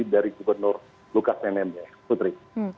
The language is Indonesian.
dari gubernur lukas nmb putri